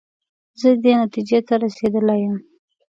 زه دې نتیجې ته رسېدلی یم.